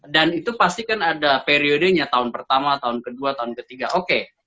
dan itu pasti kan ada periodenya tahun pertama tahun kedua tahun ketiga oke